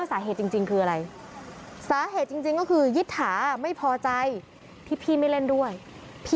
อย่างอื่นเขามัดแจมด้วยเ